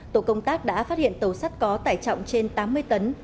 tổ công tác đã phát hiện tàu sắt có tải trọng trên tám mươi tấn